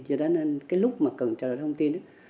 do đó nên cái lúc mà cần trao đổi thông tin